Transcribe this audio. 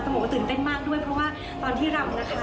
บอกว่าตื่นเต้นมากด้วยเพราะว่าตอนที่รำนะคะ